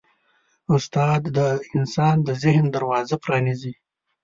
استاد د انسان د ذهن دروازه پرانیزي.